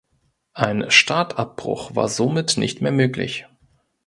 Ein Startabbruch war somit nicht mehr möglich.